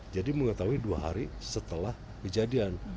jadi mengetahui dua hari setelah kejadian